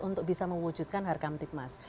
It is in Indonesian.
untuk bisa mewujudkan harkam tikmas